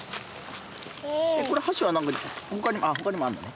これ箸はあっほかにもあるんだね。